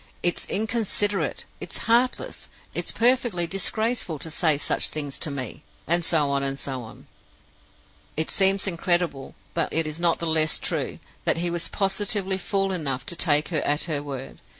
It's inconsiderate, it's heartless, it's perfectly disgraceful to say such things to me!' and so on, and so on. It seems incredible, but it is not the less true, that he was positively fool enough to take her at her word.